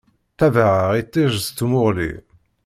Ttabaɛeɣ iṭij s tmuɣli.